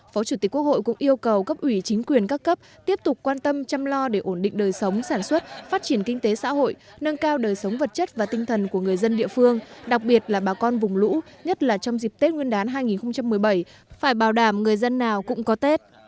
phó chủ tịch quốc hội cũng yêu cầu cấp ủy chính quyền các cấp tiếp tục quan tâm chăm lo để ổn định đời sống sản xuất phát triển kinh tế xã hội nâng cao đời sống vật chất và tinh thần của người dân địa phương đặc biệt là bà con vùng lũ nhất là trong dịp tết nguyên đán hai nghìn một mươi bảy phải bảo đảm người dân nào cũng có tết